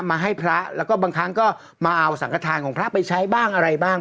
มาให้พระแล้วก็บางครั้งก็มาเอาสังขทานของพระไปใช้บ้างอะไรบ้าง